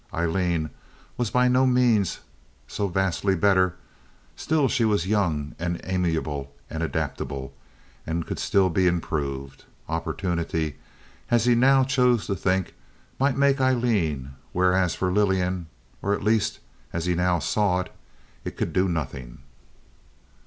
Aileen was by no means so vastly better, still she was young and amenable and adaptable, and could still be improved. Opportunity as he now chose to think, might make Aileen, whereas for Lillian—or at least, as he now saw it—it could do nothing.